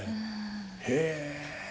へえ。